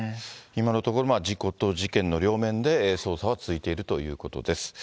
今のところ、事故と事件の両面で捜査は続いているということです。